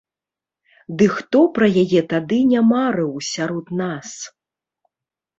Ды хто пра яе тады не марыў сярод нас?